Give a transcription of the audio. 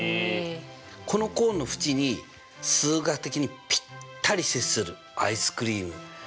このコーンの縁に数学的にぴったり接するアイスクリームをのせたいんですよね。